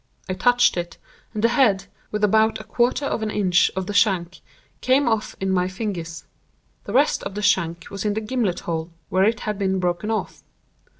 I touched it; and the head, with about a quarter of an inch of the shank, came off in my fingers. The rest of the shank was in the gimlet hole where it had been broken off.